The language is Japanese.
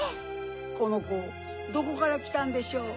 このコどこからきたんでしょう？